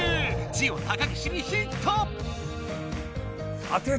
ジオ高岸にヒット！